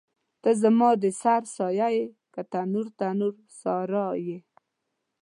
ته زما د سر سایه یې که تنور، تنور سارا یې